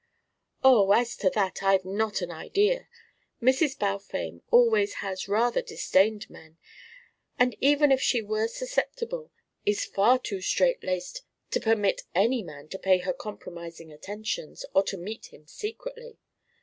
"Oh, as to that, I've not an idea. Mrs. Balfame always has rather disdained men, and even if she were susceptible is far too straight laced to permit any man to pay her compromising attentions, or to meet him secretly.